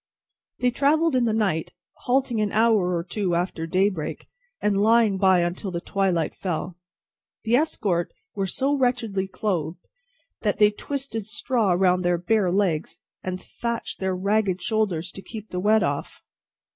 They travelled in the night, halting an hour or two after daybreak, and lying by until the twilight fell. The escort were so wretchedly clothed, that they twisted straw round their bare legs, and thatched their ragged shoulders to keep the wet off.